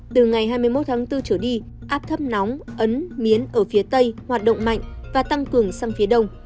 từ ngày hai mươi một tháng bốn trở đi áp thấp nóng ấn miến ở phía tây hoạt động mạnh và tăng cường sang phía đông